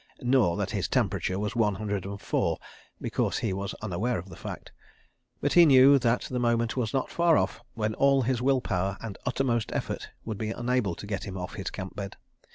(Nor that his temperature was one hundred and four—because he was unaware of the fact.) But he knew that the moment was not far off when all his will power and uttermost effort would be unable to get him off his camp bed.